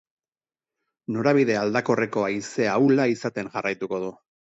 Norabide aldakorreko haize ahula izaten jarraituko du.